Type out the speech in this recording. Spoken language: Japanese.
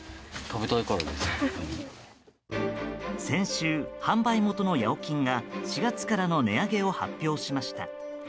先週、販売元のやおきんが４月からの値上げを発表しました。